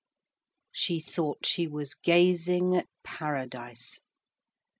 She thought she was gazing at paradise.